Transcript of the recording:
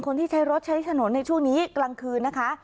ใช้รถใช้ถนนในช่วงนี้กลางคืนนะคะ